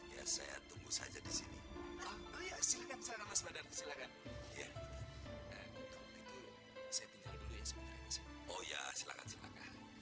ya saya tunggu saja di sini silakan silakan silakan ya oh ya silakan silakan